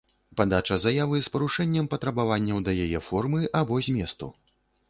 Падача заявы з парушэннем патрабаванняў да яе формы або зместу.